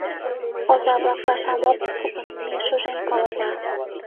Оза-влак пашам огыт пу гын, ме шужен колена.